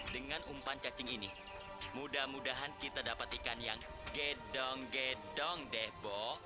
dengan umpan cacing ini mudah mudahan kita dapat ikan yang gedong gedong deh bu